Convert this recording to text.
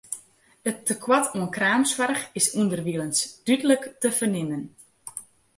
It tekoart oan kreamsoarch is ûnderwilens dúdlik te fernimmen.